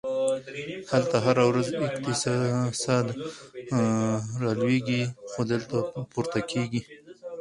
هلته هره ورځ اقتصاد رالویږي، خو دلته پورته کیږي!